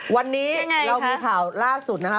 วันนี้เรามีข่าวล่าสุดนะคะ